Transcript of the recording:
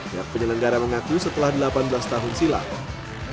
pihak penyelenggara mengaku setelah delapan belas tahun silam